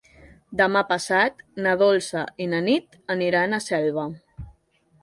Demà passat na Dolça i na Nit aniran a Selva.